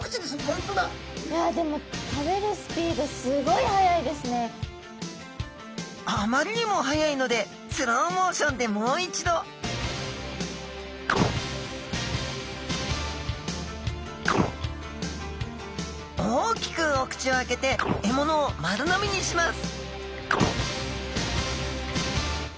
いやでもあまりにも速いのでスローモーションでもう一度大きくお口を開けて獲物を丸飲みにします